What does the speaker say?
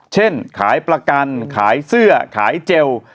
เช่นขายประกันขายเสื้อขายเจล